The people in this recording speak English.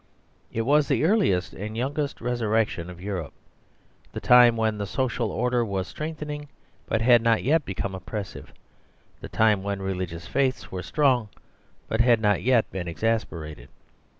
It was the earliest and youngest resurrection of Europe, the time when social order was strengthening, but had not yet become oppressive; the time when religious faiths were strong, but had not yet been exasperated.